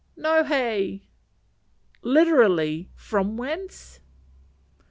No hea Literally, from whence?